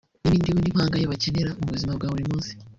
n’ibindi we n’impanga ye bakenera mu buzima bwa buri munsi